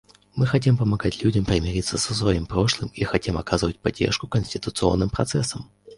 Мы хотим помогать людям примириться со своим прошлым и хотим оказывать поддержку конституционным процессам.